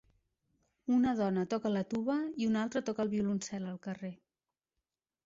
Una dona toca la tuba i una altra toca el violoncel al carrer.